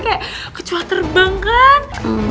kayak kecoa terbang kan